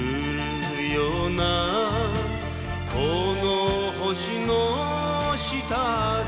「この星の下で」